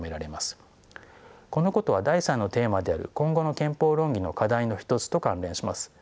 このことは第３のテーマである今後の憲法論議の課題の一つと関連します。